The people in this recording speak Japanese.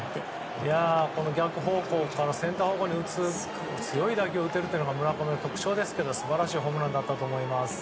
逆方向からセンター方向に打つ強い打球を打てるのが村上の特徴ですけど素晴らしいホームランだったと思います。